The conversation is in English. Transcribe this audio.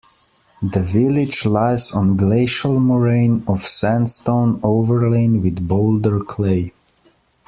The village lies on glacial moraine of sandstone overlain with boulder clay.